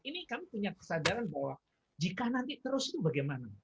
ini kami punya kesadaran bahwa jika nanti terus itu bagaimana